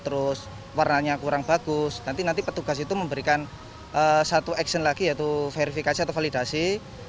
terus warnanya kurang bagus nanti petugas itu memberikan satu action lagi yaitu verifikasi atau validasi